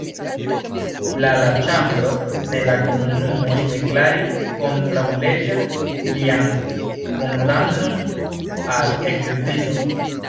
La la Ĉambro de la Komunumoj deklaris kontraŭleĝa lian kondamnon al ekzilo.